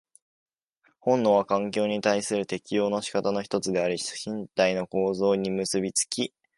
本能は環境に対する適応の仕方の一つであり、身体の構造に結び付き、